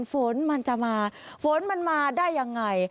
ฝนมันจะมาฝนมันมาได้ยังไง